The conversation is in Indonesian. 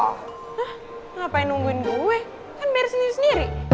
hah ngapain nungguin gue kan bayar sendiri sendiri